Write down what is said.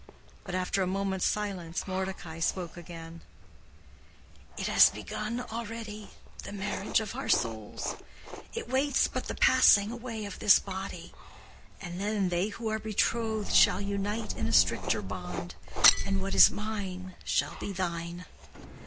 But after a moment's silence Mordecai spoke again, "It has begun already—the marriage of our souls. It waits but the passing away of this body, and then they who are betrothed shall unite in a stricter bond, and what is mine shall be thine.